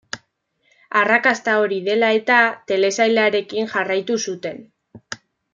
Arrakasta hori dela eta, telesailarekin jarraitu zuten.